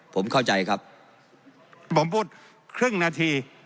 ผมพูดครึ่งนาที